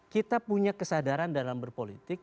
kita punya kesadaran dalam berpolitik